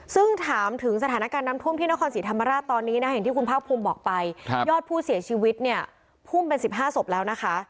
ซึ่งถามถึงสถานการณ์น้ำท่วมที่นครศรีธรรมราชตอนนี้นะ